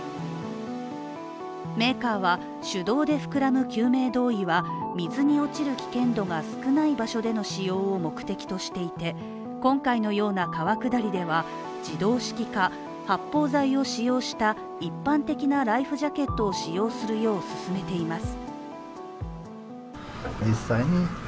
メーカーは、手動で膨らむ救命胴衣は水に落ちる危険度が少ない場所での使用を目的としていて今回のような川下りでは自動式か発泡材を使用したいっぱい的なライフジャケットを使用するよう勧めています